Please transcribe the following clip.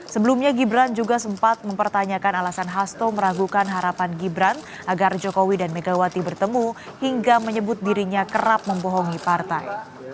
sebelumnya gibran juga sempat mempertanyakan alasan hasto meragukan harapan gibran agar jokowi dan megawati bertemu hingga menyebut dirinya kerap membohongi partai